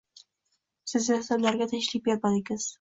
Siz esa ularga tinchlik bermadingiz.